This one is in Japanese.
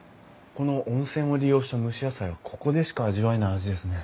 この温泉を利用した蒸し野菜はここでしか味わえない味ですね。